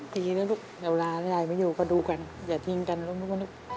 ดีแล้วลูกเดี๋ยวลาถ้ายายไม่อยู่ก็ดูกันอย่าทิ้งกันล่ะลูกลูก